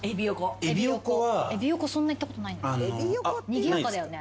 にぎやかだよね？